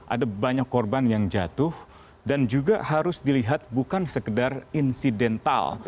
ada banyak korban yang jatuh dan juga harus dilihat bukan sekedar insidental